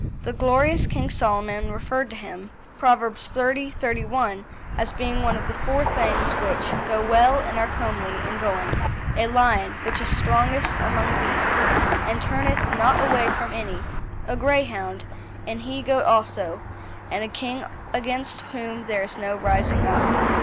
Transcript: The glorious King Solomon referred to him (Proverbs xxx. 31) as being one of the four things which "go well and are comely in going a lion, which is strongest among beasts, and turneth not away from any; a Greyhound; an he goat also; and a king against whom there is no rising up."